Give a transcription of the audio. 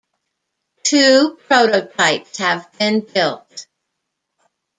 Two prototypes have been built.